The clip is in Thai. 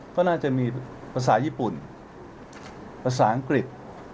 ก็น่าจะมีภาษาญี่ปุ่นภาษาอังกฤษ